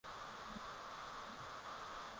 na huku uwezo wa kuongeza muindo mbinu bado